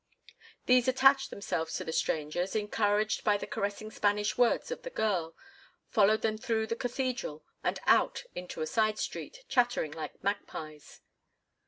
These attached themselves to the strangers, encouraged by the caressing Spanish words of the girl, followed them through the cathedral, and out into a side street, chattering like magpies.